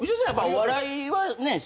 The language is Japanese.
お笑いはね